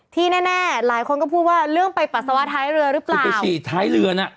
ที่แน่หลายคนก็พูดว่าเรื่องไปปัสสาวะท้ายเรือหรือเปล่า